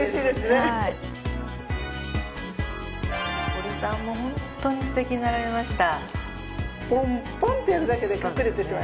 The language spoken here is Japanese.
堀さんもホントにすてきになられました。